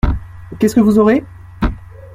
Qu’est-ce que vous aurez ?